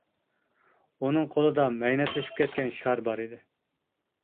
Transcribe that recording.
ئۇنىڭ قولىدا مەينەتلىشىپ كەتكەن شار بار ئىدى.